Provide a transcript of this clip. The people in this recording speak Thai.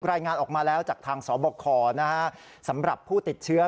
รายงานออกมาแล้วจากทางสบคสำหรับผู้ติดเชื้อ